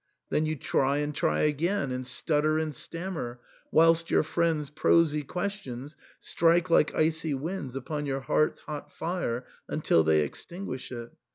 Then you try and try again, and stutter and stammer, whilst your friends' prosy questions strike like icy winds upon your heart's hot fire until they extinguish it.